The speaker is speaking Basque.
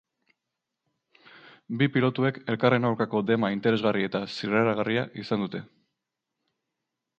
Bi pilotuek elkarren aurkako dema interesgarri eta zirraragarria izan dute.